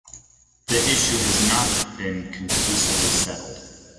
The issue has not been conclusively settled.